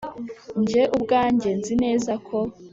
Jye ubwanjye nzi neza ko